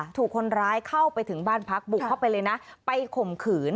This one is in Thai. ถูกคนร้ายเข้าไปถึงบ้านพักบุกเข้าไปเลยนะไปข่มขืน